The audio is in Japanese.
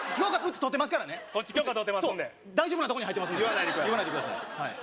うち取ってますからねこっち許可取ってますんで大丈夫なとこに入ってますんで言わないでください